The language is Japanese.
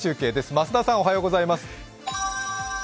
増田さんおはようございます。